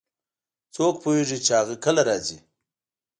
څوک پوهیږي چې هغه کله راځي